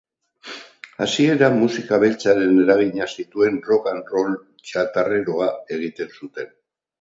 Hasieran musika beltzaren eraginak zituen rock and roll txatarreroa egiten zuten.